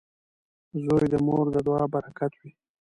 • زوی د مور د دعا برکت وي.